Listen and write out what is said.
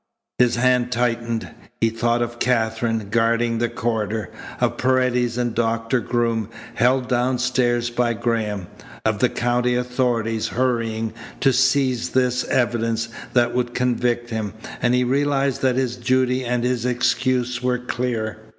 His hand tightened. He thought of Katherine guarding the corridor; of Paredes and Doctor Groom, held downstairs by Graham; of the county authorities hurrying to seize this evidence that would convict him; and he realized that his duty and his excuse were clear.